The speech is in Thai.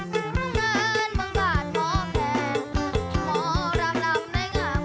พร้อมงานบางบาดม่อแขน